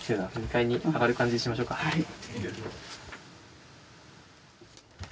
はい。